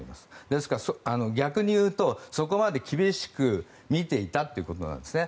ですから、逆に言うとそこまで厳しく見ていたということなんですね。